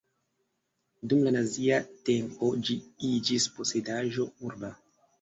Dum la nazia tempo ĝi iĝis posedaĵo urba.